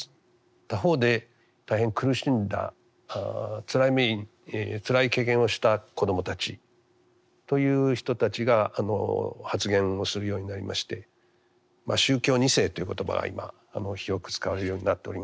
他方で大変苦しんだつらい経験をした子どもたちという人たちが発言をするようになりまして「宗教２世」という言葉は今広く使われるようになっております。